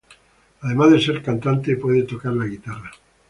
Además de ser cantante, puede tocar la guitarra.